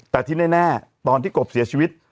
แต่ที่แน่ตอนที่กบเสียชีวิต